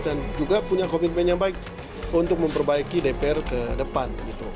dan juga punya komitmen yang baik untuk memperbaiki dpr ke depan